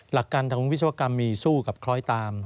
หลักการทางวิศวกรรมมีสู้กับคล้อยตาม